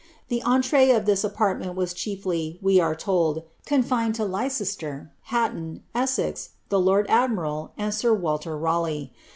The entree of this apartment was chiefly, we are told, confined to Lei cester, Hatton, Essex, the lord admiral, and sir Walter Raleigh.